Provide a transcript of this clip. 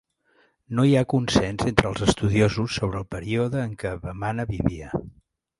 No hi ha consens entre els estudiosos sobre el període en què Vemana vivia.